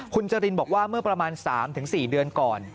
คุณจรินบอกว่าเมื่อประมาณ๓๔เดือนก่อน